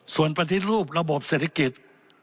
ส่วนปฏิรูประบบเศรษฐกิจ